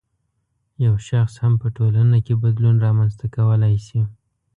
یو شخص هم په ټولنه کې بدلون رامنځته کولای شي.